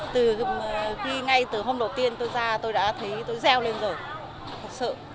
từ khi ngay từ hôm đầu tiên tôi ra tôi đã thấy tôi reo lên rồi thật sự